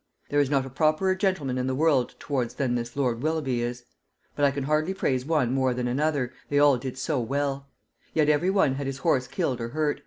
There is not a properer gentleman in the world towards than this lord Willoughby is; but I can hardly praise one more than another, they all did so well; yet every one had his horse killed or hurt.